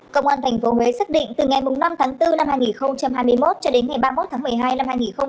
công an tp huế xác định từ ngày năm tháng bốn năm hai nghìn hai mươi một cho đến ngày ba mươi một tháng một mươi hai năm hai nghìn hai mươi ba